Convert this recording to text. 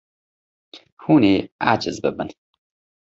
Hûn ê aciz bibin.